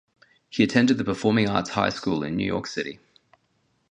He attended the Performing Arts High School in New York City.